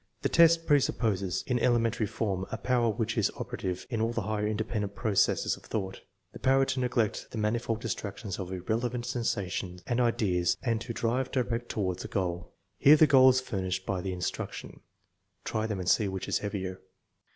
The test presupposes, in elementary form, a power which is operative in all the higher independent processes of thought, the power to neglect the manifold distractions of irrelevant sensations and ideas and to drive direct toward a goal. Here the goal is furnished by the instruction, " Try them and see which is heavier.'